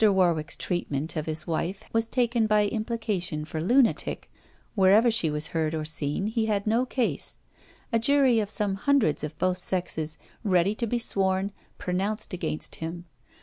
Warwick's treatment of his wife was taken by implication for lunatic; wherever she was heard or seen, he had no case; a jury of some hundreds of both sexes, ready to be sworn, pronounced against him.